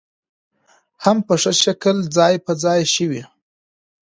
هم په ښه شکل ځاى په ځاى شوې .